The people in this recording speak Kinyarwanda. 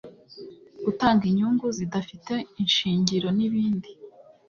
gutanga inyungu zidafite ishingiro n’ibindi